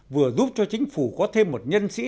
vừa giúp cho chính phủ có thêm một nhân sĩ